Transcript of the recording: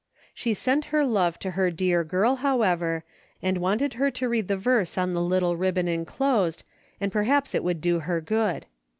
She sent her love to her dear girl, however, and wanted her to read the Averse on the little ribbon enclosed and perhaps it would do her good.